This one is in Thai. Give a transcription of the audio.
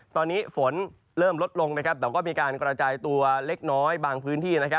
ตอนนี้ฝนเริ่มลดลงแต่ก็มีการกระจายตัวเล็กน้อยบางพื้นที่